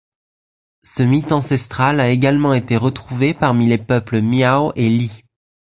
Ce mythe ancestral a également été retrouvé parmi les peuples Miao et Li.